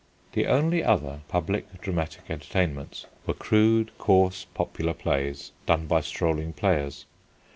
The only other public dramatic entertainments were crude, coarse, popular plays, done by strolling players.